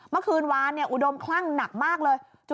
เมื่อคืนวานอุดมคลั่งหนักมากเลย